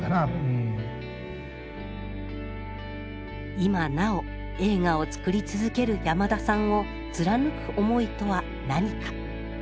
今なお映画をつくり続ける山田さんを貫く思いとは何か。